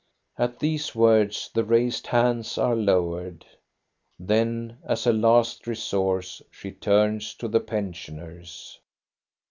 " At these words the raised hands are lowered. Then, as a last resource, she turns to the pen sioners.